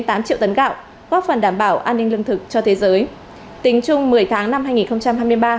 tám triệu tấn gạo góp phần đảm bảo an ninh lương thực cho thế giới tính chung một mươi tháng năm hai nghìn hai mươi ba